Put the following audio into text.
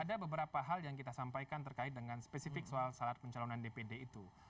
ada beberapa hal yang kita sampaikan terkait dengan spesifik soal syarat pencalonan dpd itu